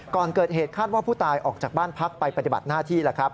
ก่อนเกิดเหตุคาดว่าผู้ตายออกจากบ้านพักไปปฏิบัติหน้าที่แล้วครับ